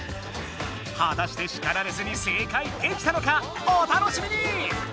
はたして叱られずに正解できたのか⁉お楽しみに！